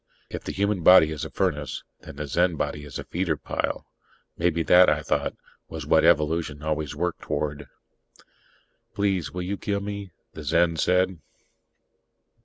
If the human body is a furnace, then the Zen body is a feeder pile. Maybe that, I thought, was what evolution always worked toward. "Please, will you kill me?" the Zen said.